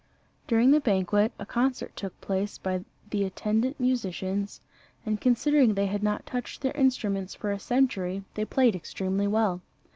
During the banquet a concert took place by the attendant musicians, and considering they had not touched their instruments for a century they played extremely well.